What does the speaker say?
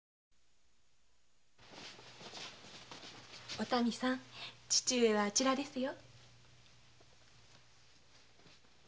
お民さん父上はあちらですよ。